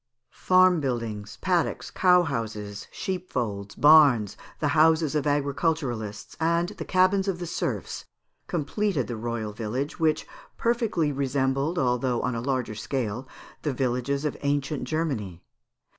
"Farm buildings, paddocks, cow houses, sheepfolds, barns, the houses of agriculturists, and the cabins of the serfs, completed the royal village, which perfectly resembled, although on a larger scale, the villages of ancient Germany.